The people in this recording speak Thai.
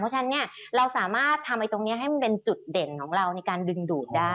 เพราะฉะนั้นเนี่ยเราสามารถทำตรงนี้ให้มันเป็นจุดเด่นของเราในการดึงดูดได้